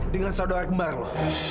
dengan saudara kembar lu